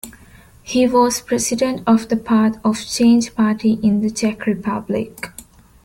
He was president of the Path of Change party in the Czech Republic.